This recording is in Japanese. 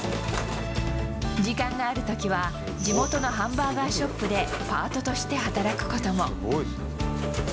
時間があるときは、地元のハンバーガーショップでパートとして働くことも。